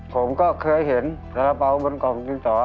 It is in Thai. ผมก็เคยเห็นสารเบาบนกล่องดินสอ